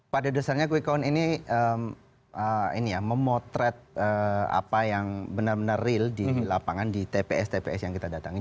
pada dasarnya quick count ini memotret apa yang benar benar real di lapangan di tps tps yang kita datangin